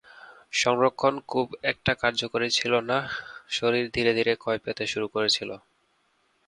সংরক্ষণ খুব একটা কার্যকর ছিল না; শরীর ধীরে ধীরে ক্ষয় পেতে শুরু করেছিল।